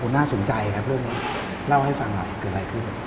น่าสนใจครับเรื่องนี้เล่าให้ฟังหน่อยเกิดอะไรขึ้น